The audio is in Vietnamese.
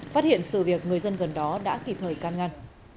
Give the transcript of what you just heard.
phát hiện sự việc người dân gần đó đã kịp thời can ngăn